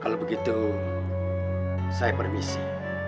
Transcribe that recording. kalau begitu saya permisi